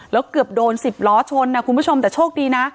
แล้วเกือบโดน๑๐ล้อชนนะคุณผู้ชมแต่โชคดีนะ